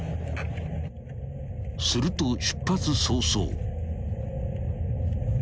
［すると出発早々］